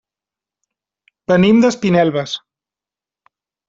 Venim d'Espinelves.